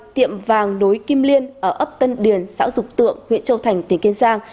tiệm vàng nối kim liên ở ấp tân điền xã dục tượng huyện châu thành tỉnh kiên giang